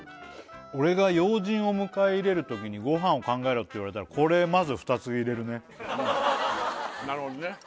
俺が要人を迎え入れる時にごはんを考えろっていわれたらこれまず２つ入れるねなるほどね